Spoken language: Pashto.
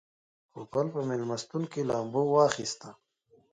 پوپل په مېلمستون کې لامبو واخیسته.